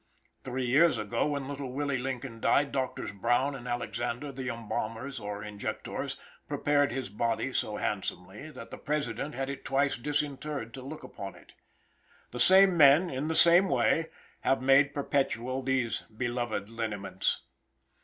Three years ago, when little Willie Lincoln died, Doctors Brown and Alexander, the embalmers or injectors, prepared his body so handsomely that the President had it twice disinterred to look upon it. The same men, in the same way, have made perpetual these beloved lineaments.